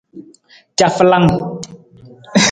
Cafalang.